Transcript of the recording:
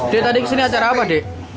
di tadi kesini acara apa d